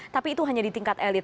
tapi itu hanya di tingkat elit